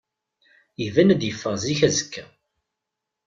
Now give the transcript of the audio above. Iban ad iffeɣ zik azekka.